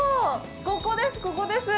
ここです、ここです。